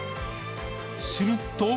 すると。